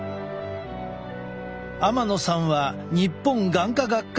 天野さんは日本眼科学会